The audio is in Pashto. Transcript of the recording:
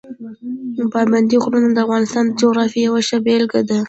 پابندي غرونه د افغانستان د جغرافیې یوه ښه بېلګه ده.